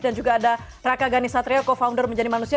dan juga ada raka ghani satria co founder menjadi manusia